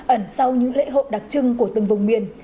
ẩn sau những lễ hội đặc trưng của từng vùng miền